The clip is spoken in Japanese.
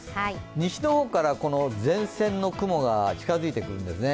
西の方から前線の雲が近づいてくるんですね。